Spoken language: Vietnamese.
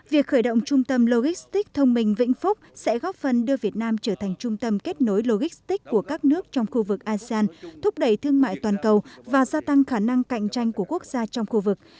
việc khởi động trung tâm logistics thông minh vĩnh phúc sẽ góp phần đưa việt nam trở thành trung tâm kết nối logistics của các nước trong khu vực asean thúc đẩy thương mại toàn cầu và gia tăng khả năng cạnh tranh của quốc gia trong khu vực